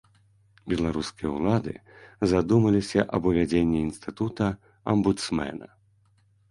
Беларускія ўлады задумаліся аб увядзенні інстытута амбудсмэна.